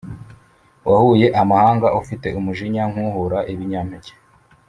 Wahuye amahanga ufite umujinya nk’uhura ibinyampeke